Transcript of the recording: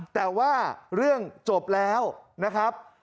แต่ว่าเรื่องจบแล้วนะครับ